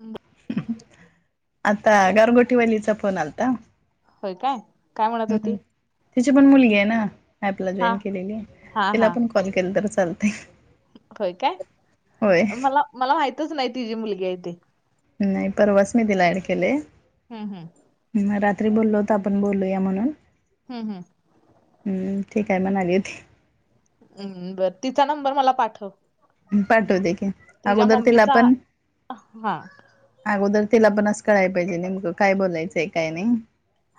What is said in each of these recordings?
होय आता गरगोटीवालीचा फोन आलता होय काय काय म्हणत होती हम्म तिची पण मुलगी आहे ना ह्यातलं हा जॉईन केलेली हा तिला हा पण कॉल केलं तर चालतंय होय काय मला मला माहितच नाही तीजी मुलगी हाय ते नाही परवाच मी तिला ऍड केलंय हम्म हम्म तिन रात्री बोललो होतो आपण बोलूया म्हणून हम्म हम्म हम्म ठीक आहे म्हणाली होती हम्म बरं तिचा नंबर मला पाठव पाठवते की तिच्या अगोदर तिला मम्मीचा पण हा अगोदर तिला पण असं कळाय पाहिजे नेमकं काय बोलायचंय काय नाही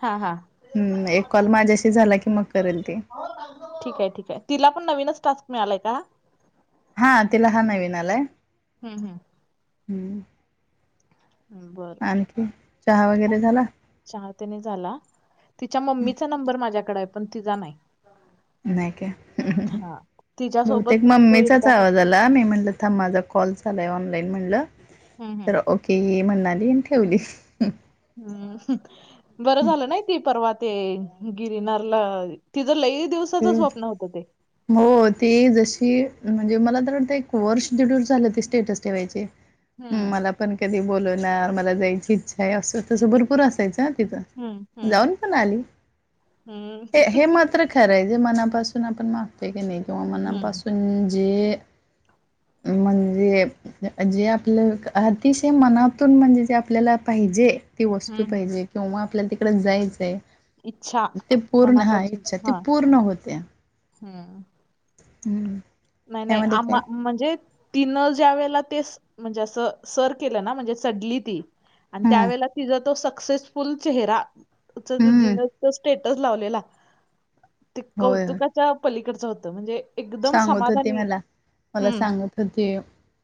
हा हा हम्म एक कॉल माझ्याशी झाला की मग करेल ती ठीक आहे ठीक आहे तिला पण नवीनच टास्क मिळालाय का हा हा तिला हा नवीन आलाय हम्म हम्म हम्म बर आणखी चहा वगैरे झाला चहा तेन झाला तिच्या मम्मीचा नंबर माझ्याकडं हाय पण तिचा नाही नाय काय हा तिच्यासोबत बहुतेक तू मम्मीचाच एकदा आहे मी म्हटल थांब माझा कॉल चालू हाय ऑनलाईन म्हणटल. हम्म हम्म ती म्हणाली आणि ठेवली हम्म बरं झालं नाही ती परवा ते गिरनार ला तिचं लई दिवसाचं हम्म. स्वप्न होतं ते हो ती जशी म्हणजे मला तर वाटतंय एक वर्ष दीड वर्ष झालं ती स्टेटस ठेवायची हम्म हं, मला पण कधी बोलवनार मला जायची इच्छा आहे असं तसं भरपूर असायचं ह तिच हम्म हम्म हम्म खरय जे मनापासून आपण मागतोय कणी किंवा हं, मनापासून जे- म्हणजे जे आपलं अतिशय मनातून म्हणजे जे आपल्याला पाहिजे- ती वस्तू हं, हं. पाहिजे किंवा आपल्याला तिकडं जायचंय. इच्छा ते पूर्ण हा इच्छा ते पूर्ण होत्या. हा हम्म नाही नाही त्यामध्ये काय आम्हा म्हणजे- तिनं ज्या वेळेला ते म्हणजे असं सर केलं ना म्हणजे चढली ती. आणि हम्म त्यावेेळेला तिचा तो सक्सेसफुल चेहरा- उच दिदीन हम्म स्टेटस लावलेला. ते होय होय. कौतुकाच्या पलीकडचं होतं म्हणजे एकदम- सांगत होती समाधानी मला मला हं. सांगत होती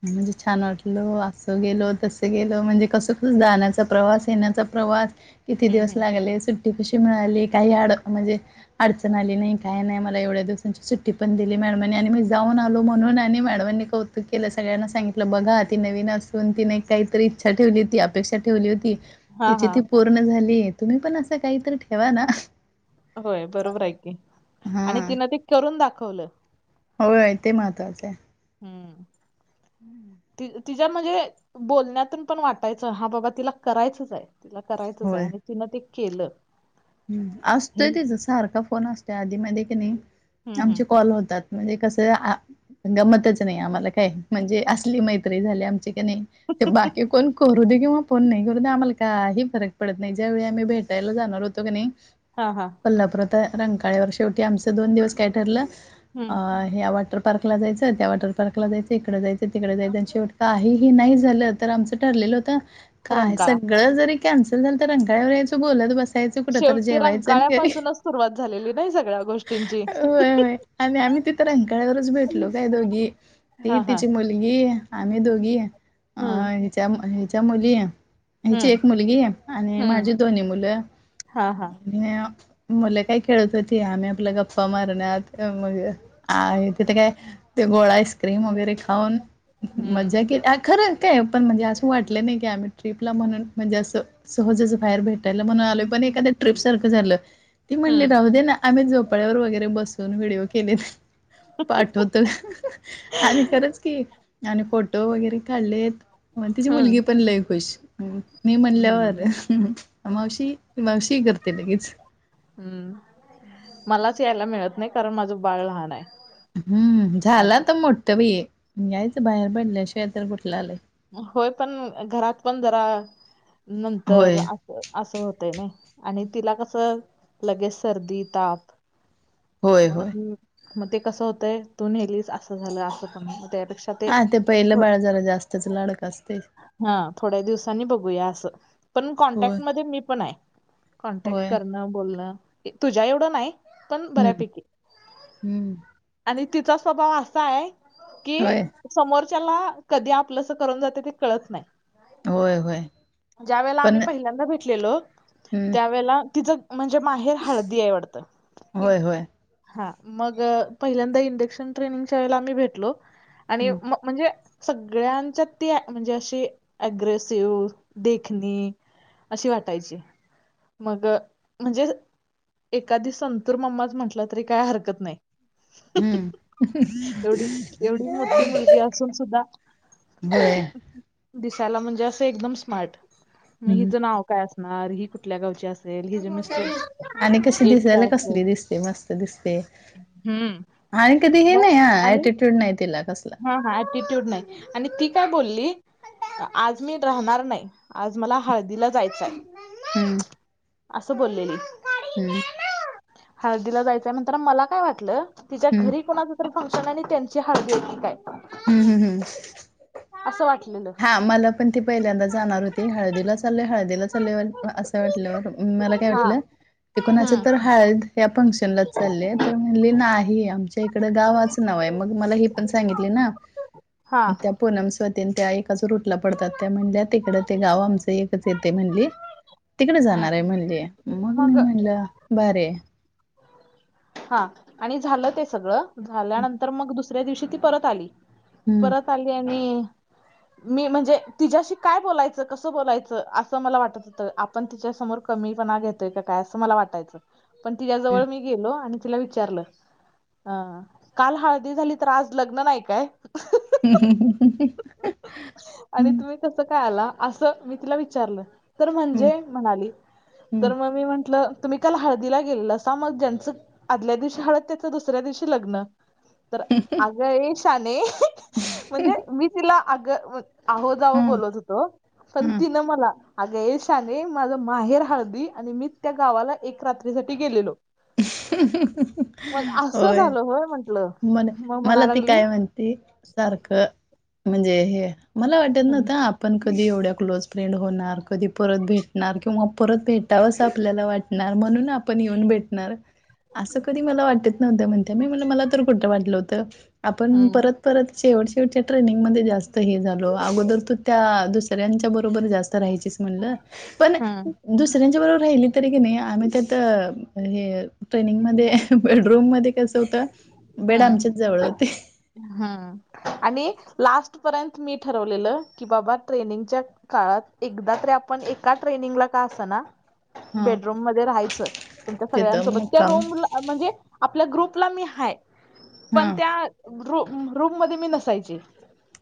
म्हणजे छान वाटल असं गेलो तसं गेल म्हणजे कसं कस जाण्याचा प्रवास येण्याचा - प्रवास किती हं, दिवस हं. लागले. सुट- कशी मिळाली काही अड म्हणजे अडचण आली नाही, काय नाही, मला एवढ्या दिवसांची सुट्टी पण दी - मॅडमनी आणि मी जाऊन आलो म्हणून आणि मॅडमांनी कौतुक केलं सगळ्यांना सांगितलं बघा ती नवीन असु - तिने काहीतरी इच्छा ठेवली होती, अपेक्षा ठेवली होती. हां, तिची हां. ती पूर्ण झाली, तुम्ही पण असं काहीतरी ठेवा ना. होय बरोबर आहे की, हा आणि तिनं ते करून दाखवलं. होय ते महत्त्वाचं आहे. हम्म ते तिच्या म्हणजे बोलण्यातून पण वाटायचं हा बाबा तिला करायचच आहे, तिला करायचंच आहे. आणि तिनं ते केलं. ह हे असतोय तिचा सारखा फोन असतोय, आधी मधी की नाही हम्म, हम्म. आमचे कॉल होतात. म्हणजे कसं गमतच नाही आम्हाला काय. म्हणजे असली मैत्री झाली आमची की नाही, ते बाकी कोण- करू दे किंवा फोन नाही करू दे आम्हाला काही फरक पडत नाही ज्यावेेळी आम्ही भेटायला जाणार होतो क नाही. हा हा कोल्हापुरात रंकाळ्यावर, शेवटी आमचं दोन दिवस काय ठरलं. हम्म अ- ह्या वॉटर पार्क ला जायचं, त्या वॉटर पार्क जायच, इकडे जायचं, तिकडे जायच, आणि शेवटी - काहीही नाही झालं, तर आमचं ठरलेलं होत, काय रंकाळा सगळ- जरी कॅनसल झाल तर रंकाळ्यावर याच बोलत बस- कुठ तर शेवटी जेवायचं आणि घरी, रंकाळ्यापासूनच सुरुवात झालेली नाही सगळ्या गोष्टींची होय होय. आणि आम्ही तिथं रंगकाळ्यावरच भेटलो काय दोघी. ती हा हा तिची मुलगी, आम्ही दोघी हम्म अं हिच्या हिच्या मुली- तेंची हम्म एक मुलगी, आणि हम्म माझी दोन्ही मुलं. हा हा [unintelligible] मुलं काय खेळत होती, आम्ही आपल्या गप्पा मारण्यात, मग आहे तिथे काय- ते गोळा आईस्क्रीम वगैरे खाऊन हम्म मज्जा केल्या खरं ते पण म्हणजे असं वाटलं नाय की आम्ही ट्रीपला म्हणून म्हणजे असं सहजंज बाहेर भेटायला म्हणून आलोय प पण एकानं ट्रिप सारखं झालं ती म्हणली हम्म राहू दे ना आम्ही झोपाळ्यावर वगैरे बसून व्हिडिओ केलेत पाठवतो अ हं हं आणि खरंच की आणि फोटो वगैरे काढलेत म तिची मुलगी हम्म पण लई खुश मी म्हणल्यावर, हम्म मावशी- मावशी करते लगेच. हम्म, मलाच यायला मिळत नाही कारण माझं बाळ लहान आहे. हम्म, झाल आणि आता मोठ बाई, यायच बाहेर पडल्याशिवाय तर कुठलं आलाय. होय पण घरात पण जरा होय नंतर अस- असं होतय नाही आणि तिला कस लगेच सर्दी ताप- होय होय म्हणून मग ते कस होतय तू नेलीस असं झालं अस पण त्यापेक्षा- हा ते पहिलं बाळा जरा जास्तच लाडकं अस हां थोड्या दिवसांनी बघूया असं.. पण होय कॉन्टॅक्ट मध्ये मी पण आय कॉन्टॅक्ट होय करणं बोलणं तुझ्या एवढं नाय पण हम्म बऱ्यापैकी हम्म आणि तिचा स्वभाव असाय की होय समोरच्याला कधी आप प्लस करून जाते ते कळत नाय हायत होय होय का.. ज्या वेळेला आम्ही पण पहिल्यांदा भेटलेलो हम्म त्यावेेळेला तिचं म्हणजे माहेर हळदीय वाटतं होय होय हा मग पहिल्यांदा इंडेक्शन ट्रेनिंगच्या वेळेला आम्ही भेटलो आणि हम्म म म्हणजे... सगळ्यांच्यात ती आ म्हणजे अशी अँग्रेसिव्ह देखणी अशी वाटायची.. मग म्हणजेज एखादी संतूर मम्माच म्हटलं तरी काय हरकत नाय हम्म अहं एवढी हं...... एवढी मोठी हम्म. व मुलगी असून अहं सुद्धा हं बोळ्या दिसायला म्हणजे असं एकदम स्मार्ट.. मग हम्म. हिच नाव काय असणार ही कुठल्या गावची अस मोनसारी... आणि कशी दिसायला काय असेल कसली दिसते मस्त दिसते. हम्म आणि कधी हे मग नाही हा आणि अँटीट्यूड नाही तिला कसला हा हा ऍटिट्यूड नाही आणि ती काय बोली आज मी राहणार नाही. आज मला हळदीला जायचाय.. मम्मी हम्म मम्मे.. असं बोललेली.. मम्मी गाी हम्म हं हाळदीला जायचंय म्हणताना मला काय वाटलं तिच्या हम्म घरी कुणाचं तरी फंक्शन हाय आणि त्यांची हळदी आहे की काय हम्म्म हम्म आसं वाटलं. हां मला पण ते पहिल्यांदा जाणावलं ते हळदीला चाललोय हळदीला चाललोय व आ अस अस वाटलं मला काय हा वाटलं ते हम्म कोणाचतर हाळद त्या फंक्शनला चाललेत तर म्हणली नाही आमची ते इकडं गावाचं नाव हाय मग मला ही पण सांगितली ना... की त्या हा पूनमच तेनं त्या एक अजूर उठला पडता त्या म्हणल्या तिकडं ते गाव आमचं एकच येतयं म्हणली तिकडं जाणाराय म्हणजे मग मी म्हणलं भारी हाय हां आणि झालं ते सगळं.. झाल्यानंतर मग दुसऱ्या दिवशी ती परत आली. हम्म परत आली आणि [unintelligible] मी म्हणजे अ तिच्याशी काय बोलायचं कसं बोलायचं असं मला वाटत होतं. आपण तिच्यासमोर कमीपणा घेतोय का काय असं मला वाटायचं पण तिच्या हं. जवळ मी गेलो आणि तिला विचारलं अ आं काल हळदी झाली तर आज लग्न नाही काय हम्म हम्म हं हं हं आणि तुम्ही कसं काय आला आसं मी तिला विचारलं तर हं, म्हणजे म्हणाली हं, तर मग मी म्हंटलं तुम्ही काल हळदीला गेल अस मग ज्यांचं आदल्या दिवशी हाडत त्याचं दुसऱ्या दिवशी लग्न तर आगयशाने म्हणजे मी तिला आग आहो जावो हं, बोलत हुतो पण हं. तिनं मला अगं ये श तांदळी माझ माहेर हळदी आणि मी त्या गावाला एक रात्रीसाठी गेलेलो. हम्म हम्म हं मग हं असं होय झालं म्हंटलं मन.. मग म्हणा मला ती लागली काय म्हणती सारखं.. म्हणजे हे मला वाटत हम्म नव्हतं आपल आपण कधी एवढ्या क्लोज फ्रेंड होणार कधी परत भेटणार किंवा परत भेटावं असं आपल्याला वाट णार म्हणून आपण येऊन भेट असं कधी मला वाटत नव्हत म्हणत म म्ह मला तर कुठं वाटलं होतं. आपण हम्म परत परत शेवट शेवटच्या ट्रेनिंगमध्येध्ये जास्त हे झालो अगोदर तू त्या दुसऱ्यांच्या बरोबर जास्त राहायचीस म्ह पण हम्म दुसऱ्यांच्या बरोबर राहिली तरी क नाही आम्ही त्यात हे ट्रेनिंग मध्ये बेडरूम मध्ये कसं होतं बेड आमच्याच जवळ होते. ह् आणि लास्ट पर्यंत मी ठरवलेलं की बाबा ट्रेनिंगच्या काळात एकदा तरी आपण एका ट्रेनिंगला का अस ना हां. बेडरूम मध्ये राहायचं पण त्या तिथं सगळ्यांसोबत त्या मुक्काम. रूमला म्हणजे आपल्या ग्रुपला मी हाय पण हां. त्या र रूम मध्ये मी नसायचे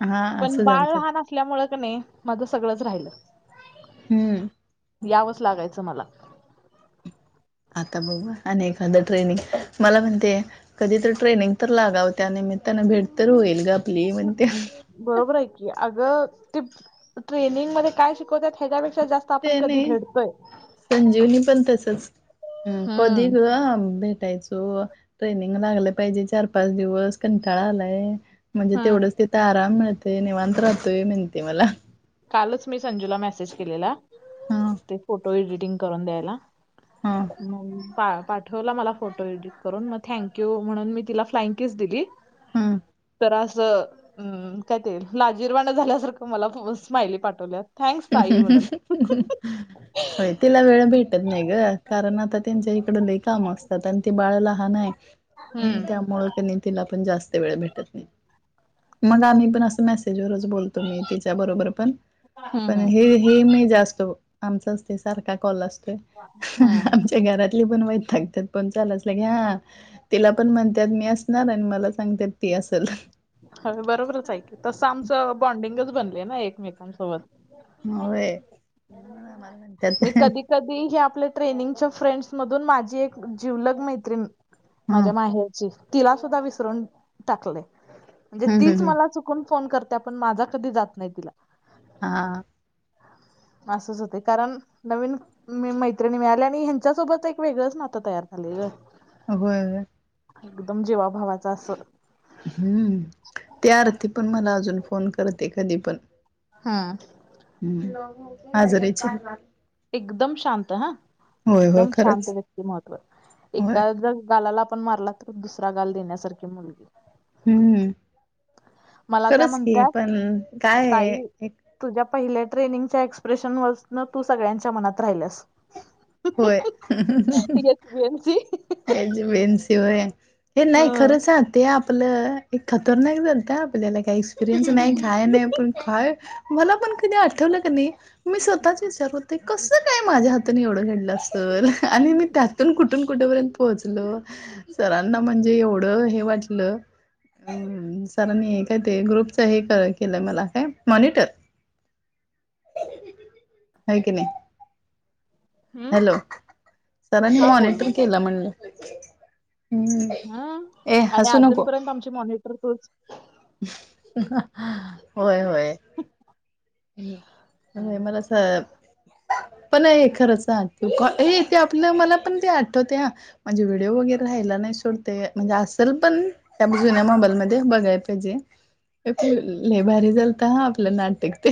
हां, पण असं बाळ झालतं. लाहान ल्यामुं नाही माझं सगळंच राहिलं. हम्म यावच लागल तुम्हाला. आता बघ आणि एखादं ट्रेनिंग मला म्हणते. कधी तर ट्रेनिंग तर लागाव त्या नि. मित्तानं भेट तर होईल ग आपली म्हणते बरोबर आहे की अग ते ट्रेनिंग मध्ये काय शिकवतात ह्याच्यापेक्षा जास्त आपण ते कधी नाही भेटतोय. संजीवनी पण तसच कधी हम्म ग भेटायचं. हो ट्रेनिंग लागलं पाहिजे चार पाच दिवस कंटाळा आलाय म्हणजे हम् तेवढंच ते आराम मिळते निवांत राहतोय म्हणते मला कालच मी संजूला मेसेज केलेला हा ते फोटो एडिटिंग करून द्यायला. हा हम् पा पा ठेवला मला फोटो एडिट करून मग थँक यू म्हणून मी तिला फ्लाईंग किस दिली. हमम. तर अस ते. लाजीरवाण झाल्यासारखं मला स्माइली पाठवल्यात. होय तिला वेळ भेट त नाही ग कारण आता त्यांच्या इकड लय काम असतात आणि ते बाळा लहान आहे. हम् हम्म त्यामुंळ क नाही तिला पण जास्त वेळ भेटत नाही. मग आम्ही पण असं मेसेजवरच बोलतो मी तिच्या बरोबर पण हम्म पण हम्म हे हे मी जास्त आमचाच ते सारखा कॉल असतोय. हम्म ते घरातली पण वैईतागतात फोन चालू असलं की हा तिला पण म्हणतात मी असणार आणि मला सांगतात ती असल. हो बरोबरच आहे तसं आमचं बॉन्डिंगच बनले ना एकमेकांसोबत होय कसये. कधीही जी आपल्या ट्रेनिंगच्या फ्रेंड्स मधून माझी एक जीवलग मैत्रीण. हा माझ्या माहेरची तिला सुद्धा विसरून टाकलेय. म्हणजे हम्म तीच हम्म मला चुकून फोन करते पण माझा कधी जात नाही तिला. हा. असच होते कारण नवीन मी मैत्रिणी मिळाली नाही ह्यांच्यासोबत एक वेगळंच नातं तयार झालेलं ग. होय व्हय. एकदम जिवाभावाचं असंल. हम्म ती आरती पण मला अजून फोन करते कधी पण हा. हम्म आजारीचये. एकदम शांत हा. होय होय एकदम शांत खरंच व्यक्तिमत्त्व, होय एखाद्या गालाला आपण मारला तर दुसरा गाल देण्यासारखी मुलगी. हम्म मला त्या खरंच की म्हणतात पण काय ताई ये. तुझ्या पहिल्या ट्रेनिंगच्या एक्सप्रेशन वसून तू सगळ्यांच्या मनात राहिलेस. होय HBMC H B N C O A. हे नाही खरंच ह ते आपलं एक खतरनाक झालत हा आपल्याला काहीसं. एक्स्पिरियन्स नाही काय नाही पण काय मला पण कधी आठवलं का नाही. मी स्वतःच विचारत होते कस काय माझ्या हातून एवढं घडलं असल आणि मी त्यातून कु कुठून कुठेपर्यंत पोहोचलो सरांना म्हणजे एवढं हे वाटलं. सरांनी काय ते ग्रुपच हे केलं मला काय मॉनिटर. होय की नाही. हॅलो सरांनी हा बोल मॉनिटर बोल केला म्हणलं. हम्म हा ए आणि हसू नको अजूनपर्यंत आमचे मॉनिटर तुच. होय होय. हम्म होय हम्म मला सांग पण हे खरं सांग तू ये ते आपलं मला पण ते आठवते ह म्हणजे व्हिडिओ वगैरे राहायला नाही सोड ते म्हणजे असल पण त्या जुन्या मोबाईल मध्ये बघायला पाहिजे लय भारी झाल कहा आपलं नाटक ते.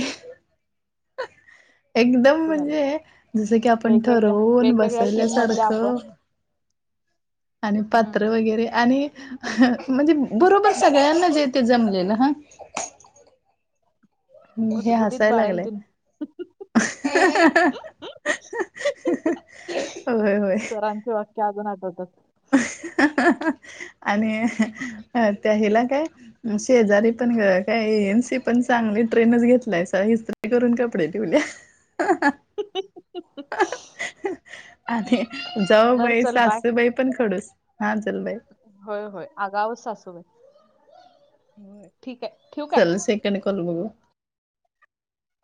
एकदम मस्त म्हणजे झालेलं जसं की आपण वेगवेगळ्या ठरवून वेगवेगळ्या टीम मधल्या बसवल्यासारखं. आपण आणि हम्म पात्र वगैरे आणि म्हणजे बरोबर सगळ्यांना जे ते जमलेलं हा. हम्म हे गुटगुटीत हसायला लागलय. बाळंतीन होय होय. सरांच वाक्य. ते अजून आठवत. आणि अह त्या हिला काय? शेजारी पण काय एम, सी पण चांगली ट्रेनच घेतलाय सा इस्त्री करून कपडे ठेवल्या हुं हुं. आधी बर जाऊबाई, चल बाय सासूबाई पण खडूस हा चल बाय. होय, होय अगाऊ सासूबाई. होय. ठीक आहे ठेऊ काय? त्यांनी कॉल [unintelligible]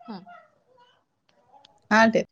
हम्म. हां ठेव.